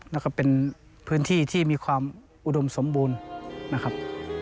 แล้วก็เป็นพื้นที่ที่มีความอุดมสมบูรณ์นะครับ